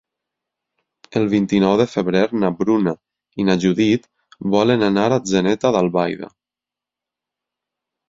El vint-i-nou de febrer na Bruna i na Judit volen anar a Atzeneta d'Albaida.